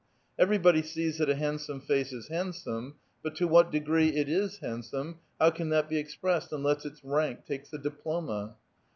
Everybody sees that a handsome face is liandsome, but to what degree it is handsome, how can that be exi)ressed unless its rank takes a diploma?